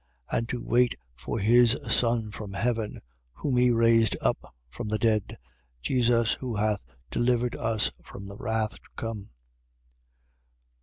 1:10. And to wait for his Son from heaven (whom he raised up from the dead), Jesus, who hath delivered us from the wrath to come.